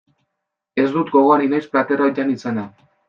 Ez dut gogoan inoiz plater hau jan izana.